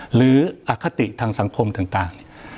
หรืออคติทางสังคมต่าง